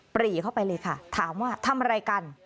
ปรีเข้าไปเลยค่ะถามว่าทำอะไรกัน